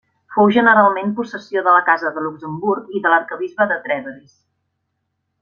Fou generalment possessió de la casa de Luxemburg i de l'arquebisbe de Trèveris.